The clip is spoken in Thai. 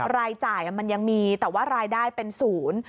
รายจ่ายมันยังมีแต่ว่ารายได้เป็นศูนย์